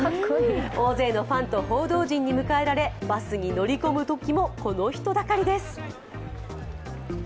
大勢のファンと報道陣に迎えられバスに乗り込むときもこの人だかりです。